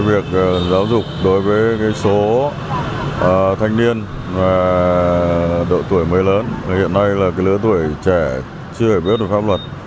việc giáo dục đối với số thanh niên và độ tuổi mới lớn hiện nay là lứa tuổi trẻ chưa hiểu biết được pháp luật